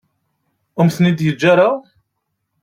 Ur am-ten-id-yeǧǧa ara.